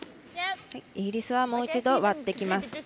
イギリスはもう一度割ってきます。